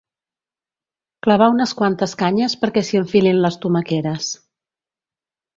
Clavar unes quantes canyes perquè s'hi enfilin les tomaqueres.